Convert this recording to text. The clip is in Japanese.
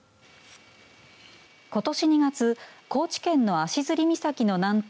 ことし２月高知県の足摺岬の南東